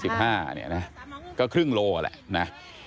คลิปกระทั่งหมดละครึ่งโลแหละ